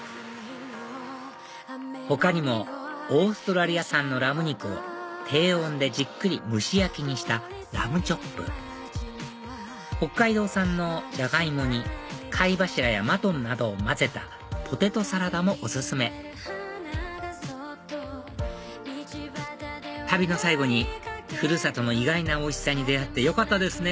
他にもオーストラリア産のラム肉を低温でじっくり蒸し焼きにしたラムチョップ北海道産のジャガイモに貝柱やマトンなどを混ぜたポテトサラダもお薦め旅の最後に古里の意外なおいしさに出会ってよかったですね